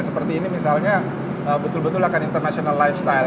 seperti ini misalnya betul betul akan international lifestyle